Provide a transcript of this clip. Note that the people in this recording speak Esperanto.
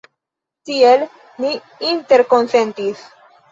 Tiel ni interkonsentis.